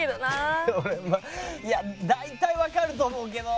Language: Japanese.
俺いや大体わかると思うけど。